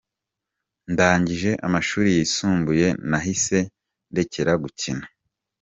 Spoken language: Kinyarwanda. Ndangije amashuri yisumbuye nahise ndekera gukina.